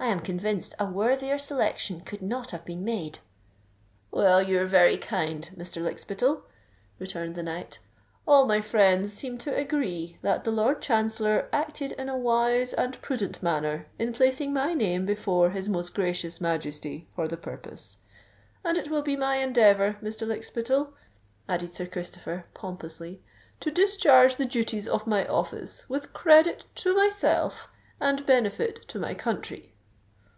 I am convinced a worthier selection could not have been made." "Well, you're very kind, Mr. Lykspittal," returned the knight. "All my friends seem to agree that the Lord Chancellor acted in a wise and prudent manner in placing my name before his most gracious Majesty for the purpose: and it will be my endeavour, Mr. Lykspittal," added Sir Christopher, pompously, "to discharge the duties of my office with credit to myself and benefit to my country."